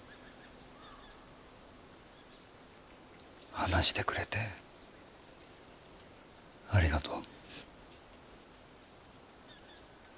話してくれてありがとう。